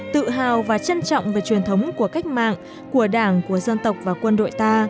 tự hào và trân trọng về truyền thống của cách mạng của đảng của dân tộc và quân đội ta